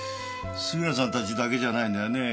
杉浦さんたちだけじゃないんだよねぇ。